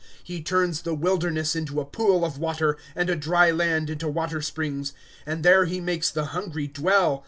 ^^ He turns the wilderness into a pool of water, And a dry land into water springs. ^^ And there he makes the hungry dwell.